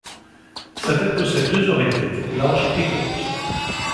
Sa tête possède deux oreillettes larges et courtes.